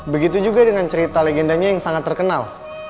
begitu juga dengan cerita legendanya yang sangat terkenal